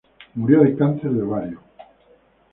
Murió de cáncer de ovario.